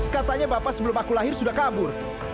katanya bapak sebelum aku lahir sudah kabur